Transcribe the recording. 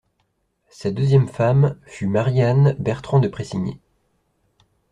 Sa deuxième femme fut Marie-Anne Bertrand de Pressigny.